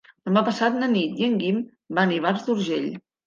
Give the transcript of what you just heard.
Demà passat na Nit i en Guim van a Ivars d'Urgell.